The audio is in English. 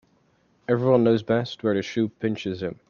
Every one knows best where the shoe pinches him.